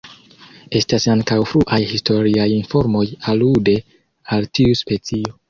Estas ankaŭ fruaj historiaj informoj alude al tiu specio.